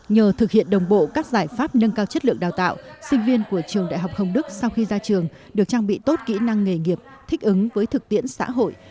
nhờ thực hiện đồng bộ các giải pháp nâng cao chất lượng đào tạo sinh viên của trường đại học hồng đức sau khi ra trường được trang bị tốt kỹ năng nghề nghiệp thích ứng với thực tiễn xã hội